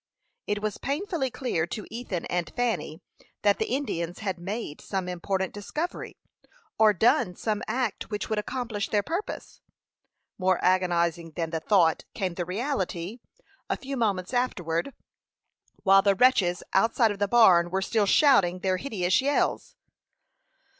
It was painfully clear to Ethan and Fanny that the Indians had made some important discovery, or done some act which would accomplish their purpose. More agonizing than the thought came the reality, a few moments afterwards, while the wretches outside of the barn were still shouting their hideous yells.